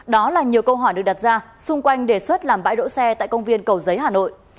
đó là nhiều câu hỏi được đặt ra xung quanh đề xuất làm bãi đỗ xe tại công viên cầu giấy hà nội